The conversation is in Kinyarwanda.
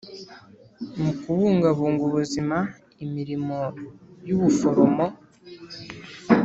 Mu kubungabunga ubuzima imirimo y ubuforomo